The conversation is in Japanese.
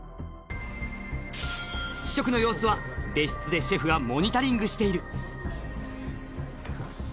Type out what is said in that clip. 試食の様子は別室でシェフがモニタリングしているいただきます